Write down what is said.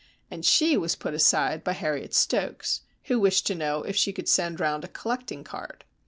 And she was put aside by Harriet Stokes, who wished to know if she could send round a collecting card.